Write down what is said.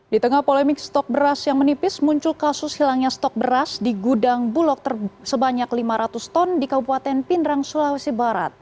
di tengah polemik stok beras yang menipis muncul kasus hilangnya stok beras di gudang bulog sebanyak lima ratus ton di kabupaten pindrang sulawesi barat